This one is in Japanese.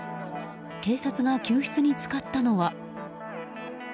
警察が救出に使ったのは。